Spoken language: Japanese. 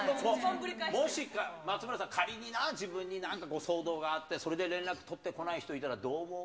もし松村さん、仮に自分になんかこう、騒動があって、それで連絡取ってこない人いたらどう思う？